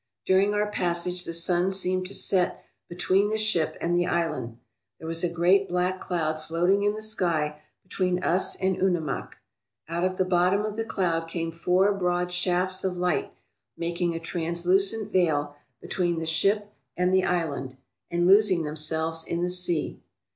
During our passage the sun seemed to set between the ship and the island. There was a great black cloud floating in the sky between us and Unimak. Out of the bottom of the cloud came four broad shafts of light, making a translucent veil between the ship and the 241 ALASKA OUR NORTHERN WONDERLAND island, and losing themselves in the sea.